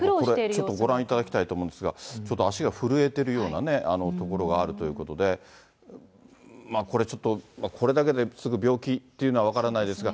ちょっとご覧いただきたいと思うんですが、足が震えているようなね、ところがあるということで、これちょっと、これだけですぐ病気っていうのは分からないですが。